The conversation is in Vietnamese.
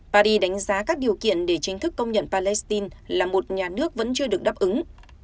paris đánh giá các điều kiện để chính thức công nhận palestine là một nhà nước vẫn chưa được đáp ứng